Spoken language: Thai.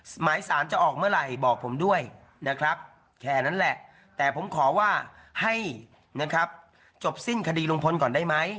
หมายสารจะออกเมื่อไหร่บอกผมด้วยนะครับแค่นั้นแหละแต่ผมขอว่าให้นะครับจบสิ้นคดีลุงพลก่อนได้ไหม